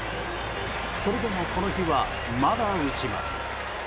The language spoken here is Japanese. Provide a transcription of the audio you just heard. それでも、この日はまだ打ちます。